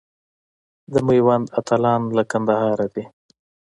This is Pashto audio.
د میوند اتلان له کندهاره دي.